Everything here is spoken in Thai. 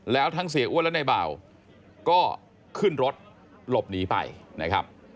แล้วทั้งเสียอ้วนและในเบาก็ขึ้นรถหลบหนีไปนะครับ